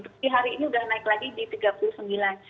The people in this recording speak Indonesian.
tapi hari ini sudah naik lagi di tiga puluh sembilan